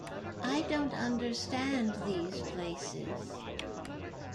I don't understand these places.